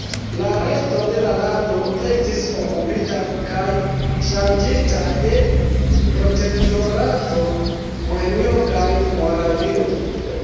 La resto de la lando estis okupita kaj ŝanĝita je Protektorato Bohemio kaj Moravio.